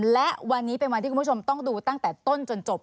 และวันนี้เป็นวันที่คุณผู้ชมต้องดูตั้งแต่ต้นจนจบ